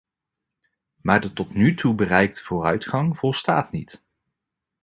Maar de tot nu toe bereikte vooruitgang volstaat niet.